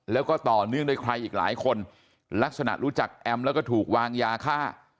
แล้วก็ต่อเนื่องด้วยใครอีกหลายคนลักษณะรู้จักแอมแล้วก็ถูกวางยาฆ่า